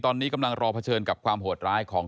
ตอนนี้กำลังรอเผชิญกับความโหดร้ายของ